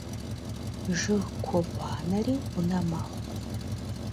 Жыг ку гъуанэри унэ мэхъу.